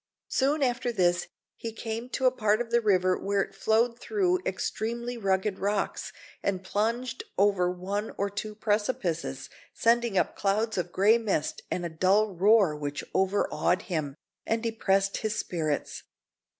Soon after this he came to a part of the river where it flowed through extremely rugged rocks, and plunged over one or two precipices, sending up clouds of grey mist and a dull roar which overawed him, and depressed his spirits.